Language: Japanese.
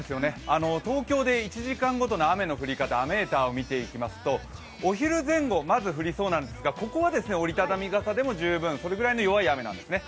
東京で１時間ごとの雨の降り方、雨ーターを見ていきますとお昼前後、まず降りそうなんですが折り畳み傘でも十分、それぐらいの弱い雨なんですね。